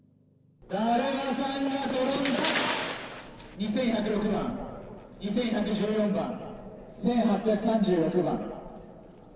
２１０６番、２１１４番、１８３６番。